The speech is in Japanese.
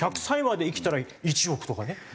１００歳まで生きたら１億とかね